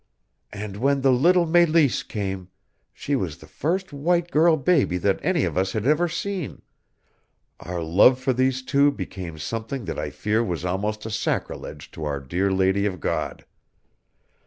And when the little Meleese came she was the first white girl baby that any of us had ever seen our love for these two became something that I fear was almost a sacrilege to our dear Lady of God.